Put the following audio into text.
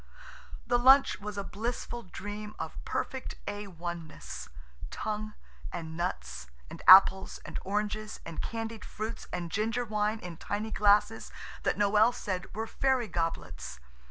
The lunch was a blissful dream of perfect A.1. ness. Tongue, and nuts, and apples, and oranges, and candied fruits, and ginger wine in tiny glasses that Noël said were fairy goblets.